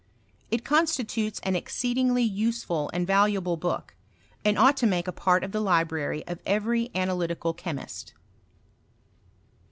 It constitutes an exceeding'ly useful and valaable book, and ought to make a part of the library c^ tverf analytical chemist.